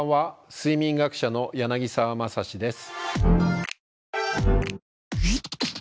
睡眠学者の柳沢正史です。